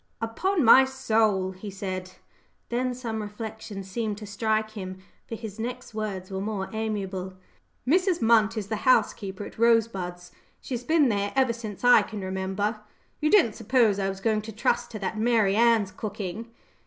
"Upon my soul!" he said. Then some reflection seemed to strike him, for his next words were more amiable. "Mrs. Munt is the housekeeper at Rosebuds. She's been there ever since I can remember. You didn't suppose I was going to trust to that Mary Ann's cooking?"